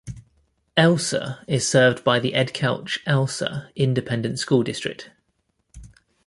Elsa is served by the Edcouch-Elsa Independent School District.